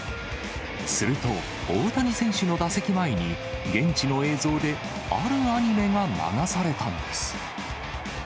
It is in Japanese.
すると、大谷選手の打席前に、現地の映像であるアニメが流されたんです。